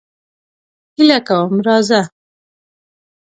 هیله کوم راځه.